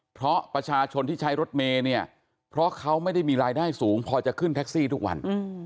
เพราะประชาชนที่ใช้รถเมย์เนี่ยเพราะเขาไม่ได้มีรายได้สูงพอจะขึ้นแท็กซี่ทุกวัน